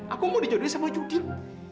aku mau dijodohin sama jukit